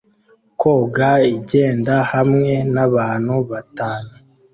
Koga igenda hamwe nabantu batanu